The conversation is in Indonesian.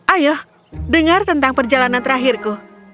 ayo dengar tentang perjalanan terakhirku